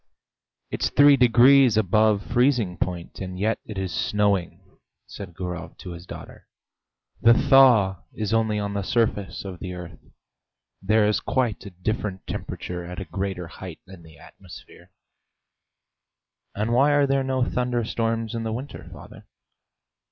"It's three degrees above freezing point, and yet it is snowing," said Gurov to his daughter. "The thaw is only on the surface of the earth; there is quite a different temperature at a greater height in the atmosphere." "And why are there no thunderstorms in the winter, father?"